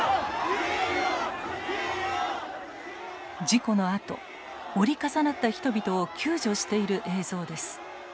事故のあと折り重なった人々を救助している映像です。